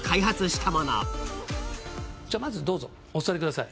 じゃまずどうぞお座りください。